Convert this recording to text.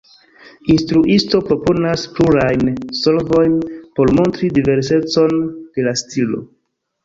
Instruisto proponas plurajn solvojn por montri diversecon de la stilo.